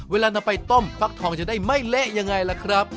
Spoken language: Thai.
เวลานำไปต้มฟักทองจะได้ไม่เละยังไงล่ะครับ